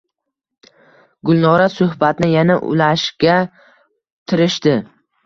Gulnora suhbatni yana ulashga tirishdi: